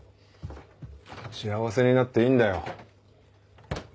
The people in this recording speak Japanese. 幸せになっていいんだよ。